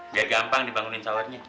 biar gampang dibangunin cowoknya